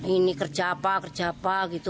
ini kerja apa kerja apa gitu